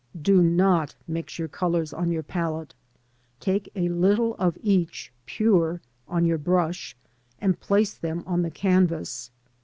Do not mix your colours on your palette; take a little of each (pure) on your brush, and place them on the canvas.